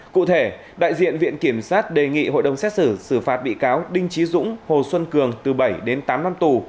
cụ thể đại diện viện kiểm sát đề nghị hội đồng xét xử xử phạt bị cáo đinh trí dũng hồ xuân cường từ bảy đến tám năm tù